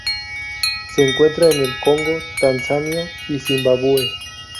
Se encuentra en el Congo Tanzania y Zimbabue.